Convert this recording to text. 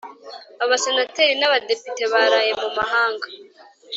Abasenateri nabadepite baraye mumahanga